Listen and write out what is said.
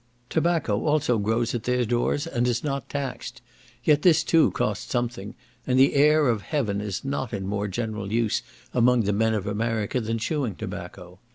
Tobacco also grows at their doors, and is not taxed; yet this too costs something, and the air of heaven is not in more general use among the men of America, than chewing tobacco.